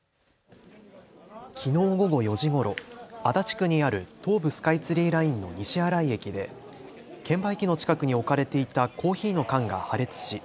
きのう午後４時ごろ、足立区にある東武スカイツリーラインの西新井駅で券売機の近くに置かれていたコーヒーの缶が破裂し